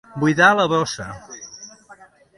Buidar la bossa.